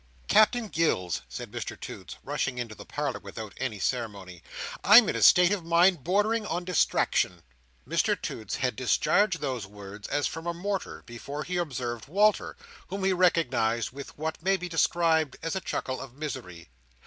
"Captain Gills," said Mr Toots, rushing into the parlour without any ceremony, "I'm in a state of mind bordering on distraction!" Mr Toots had discharged those words, as from a mortar, before he observed Walter, whom he recognised with what may be described as a chuckle of misery.